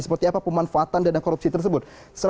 seperti apa pemanfaatan dana korupsi tersebut